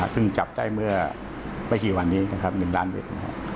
ซึ่งจับได้เมื่อไม่กี่วันนี้๑ล้านเวท